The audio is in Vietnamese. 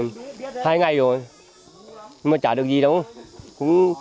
nhưng mà chả được gì đâu